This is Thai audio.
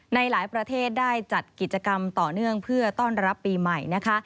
ในหลายประเทศได้จัดกิจกรรมต่อเนื่องเพื่อต้อนรับปีใหม่นะคะ